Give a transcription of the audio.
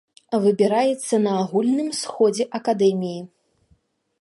Выбіраецца на агульным сходзе акадэміі.